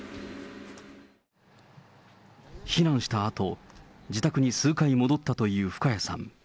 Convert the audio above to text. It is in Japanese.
避難したあと、自宅に数回戻ったという深谷さん。